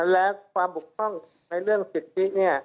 แล้วความปกป้องในเกี่ยวกับศิลปิศ